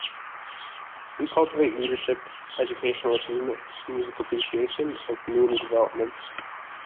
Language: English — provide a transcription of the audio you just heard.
We cultivate leadership, educational achievement, music appreciation and community development.